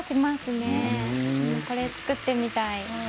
これ作ってみたい。